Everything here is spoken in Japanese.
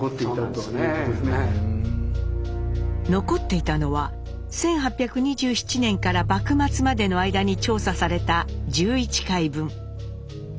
残っていたのは１８２７年から幕末までの間に調査された１１回分。